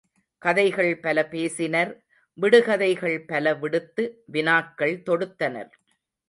கதைகள் பல பேசினர் விடுகதைகள் பல விடுத்து வினாக்கள் தொடுத்தனர்.